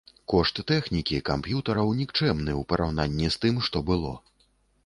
Кошт тэхнікі, камп'ютараў нікчэмны ў параўнанні з тым, што было.